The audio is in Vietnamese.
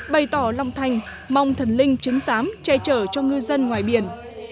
bày tỏ lòng thành mong thần linh chứng giám che che chở cho ngư dân ngoài biển